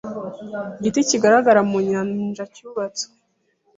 igiti kigaragara mu Nyanja cyubatswe